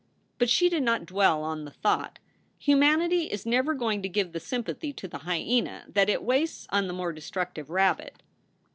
But she did not dwell on the thought. Humanity is never going to give the sympathy to the hyena that it wastes on the more destructive rabbit.